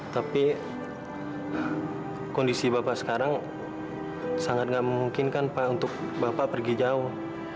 tapi kondisi bapak sekarang sangat gak memungkinkan pak untuk bapak pergi jauh